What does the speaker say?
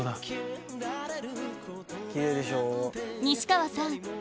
西川さん